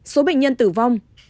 số bệnh nhân tử vong